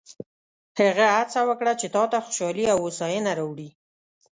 هغه هڅه وکړه چې تا ته خوشحالي او هوساینه راوړي.